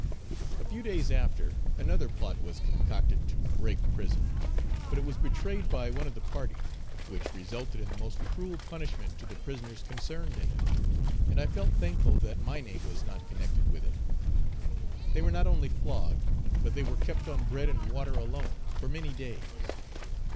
A few days after, another plot was concocted to to break prison, but it was betrayed by one of the party, which resulted in the most cruel punishment to the prisoners concerned in it; and I felt thankful that my name was not connected with it. They were not only flogged, but they were kept on bread and water alone, for many days.